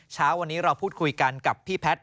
เช้าวันนี้เราพูดคุยกันกับพี่แพทย์